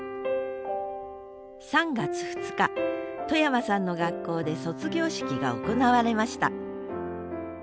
３月２日外山さんの学校で卒業式が行われました